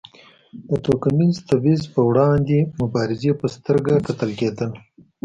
د توکمیز تبیض پر وړاندې مبارز په سترګه کتل کېدل.